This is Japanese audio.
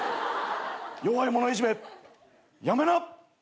弱い者いじめやめな！